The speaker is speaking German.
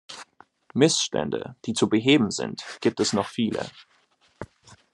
Missstände, die zu beheben sind, gibt es noch viele.